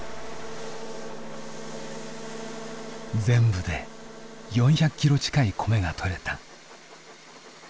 全部で４００キロ近い米が取れた。